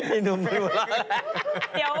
พี่หนูมันหัวเราะแล้ว